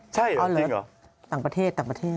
ใช่จริงหรืออ๋อเหลือต่างประเทศ